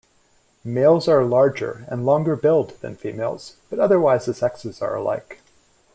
Males are larger and longer-billed than females, but otherwise the sexes are alike.